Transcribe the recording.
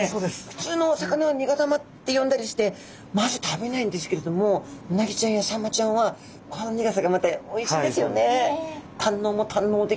ふつうのお魚は苦玉って呼んだりしてまず食べないんですけれどもうなぎちゃんやサンマちゃんはこの苦さがまたおいしいんですよね。